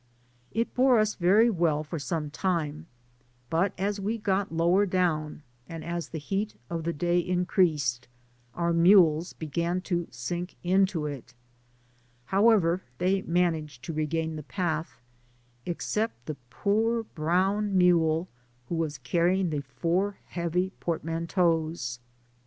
It bore us very well for Digitized byGoogk 170 PASSAGE ACAOSS some time; but as we got lower down, and as the heat of the day increased, our mules began to sink into it: however, they managed to regain tlie path, except the poor brown mule who was carrying the four heavy portmanteaus.